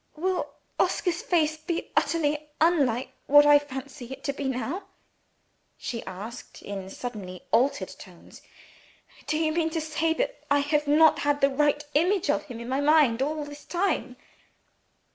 "Will Oscar's face be utterly unlike what I fancy it to be now?" she asked, in suddenly altered tones. "Do you mean to say that I have not had the right image of him in my mind all this time?"